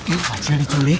ini wajah diculik